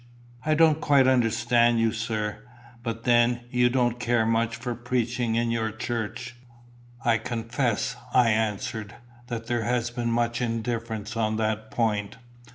"I don't quite understand you, sir. But then you don't care much for preaching in your church." "I confess," I answered, "that there has been much indifference on that point.